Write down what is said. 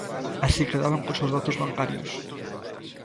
Así quedaban cos seus datos bancarios.